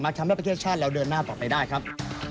ทำให้ประเทศชาติเราเดินหน้าต่อไปได้ครับ